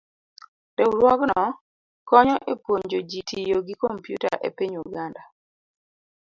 Riwruogno konyo e puonjo ji tiyo gi kompyuta e piny Uganda.